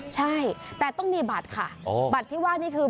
ใช่แต่ต้องมีบัตรค่ะบัตรที่ว่านี่คือ